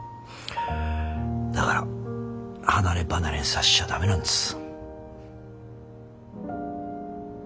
だから離れ離れにさしちゃ駄目なんです。